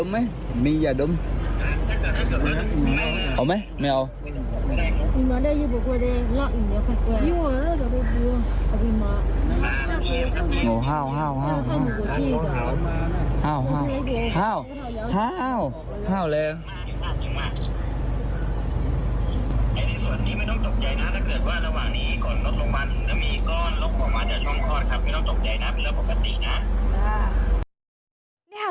เห่าห้าวห้าวห้าวห้าวห้าวเร็ว